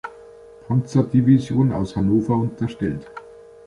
Panzerdivision aus Hannover unterstellt.